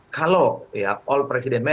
kalau ya all president